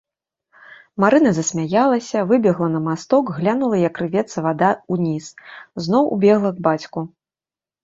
Марына засмяялася, выбегла на масток, глянула, як ірвецца вада ўніз, зноў убегла к бацьку.